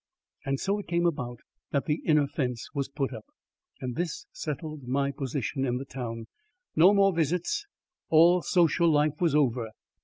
And so it came about that the inner fence was put up. This settled my position in the town. No more visits. All social life was over.